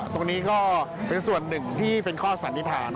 ตรงนี้ก็เป็นส่วนหนึ่งที่เป็นข้อสันนิษฐาน